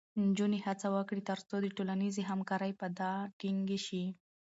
نجونې هڅه وکړي، ترڅو د ټولنیزې همکارۍ فضا ټینګې شي.